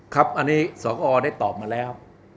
ครับอันนี้สกอได้ตอบมาแล้ว